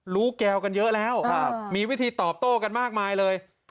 แก้วกันเยอะแล้วมีวิธีตอบโต้กันมากมายเลย